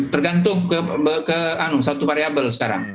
tergantung ke satu variable sekarang